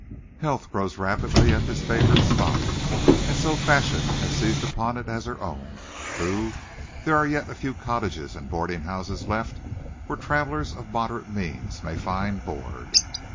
Health grows rapidly at this favored spot, and so fashion has seized upon it as her own. True, there are yet a few cottages and boarding houses left where travelers of moderate means may find board.